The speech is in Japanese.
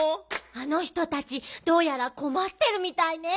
「あの人たちどうやらこまってるみたいね」。